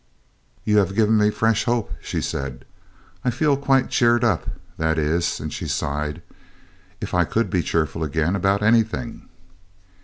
'You have given me fresh hope,' she said. 'I feel quite cheered up that is' (and she sighed) 'if I could be cheerful again about anything.'